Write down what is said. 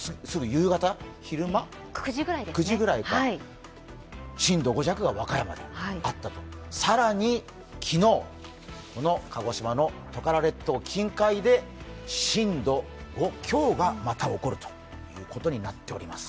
９時ぐらいに震度５弱が和歌山であって更に昨日、鹿児島のトカラ列島近海で震度５強がまた起こるということになっております。